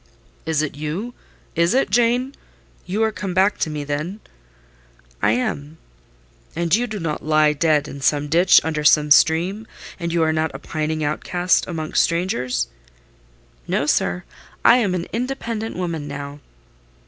"It is you—is it, Jane? You are come back to me then?" "I am." "And you do not lie dead in some ditch under some stream? And you are not a pining outcast amongst strangers?" "No, sir! I am an independent woman now."